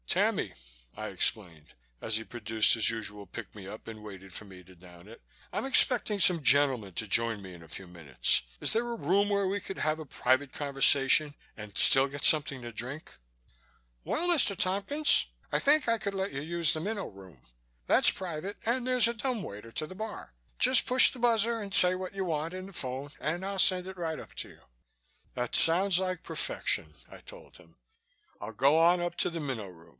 "Tammy," I explained, as he produced his usual pick me up and waited for me to down it. "I'm expecting some gentlemen to join me in a few minutes. Is there a room where we could have a private conversation and still get something to drink?" "Well, sir, Mr. Tompkins," the steward said, "I think I could let you use the Minnow Room. That's private and there's a dumbwaiter to the bar. Just push the buzzer and say what you want in the phone and I'll send it right up to you." "It sounds like perfection," I told him. "I'll go on up to the Minnow Room.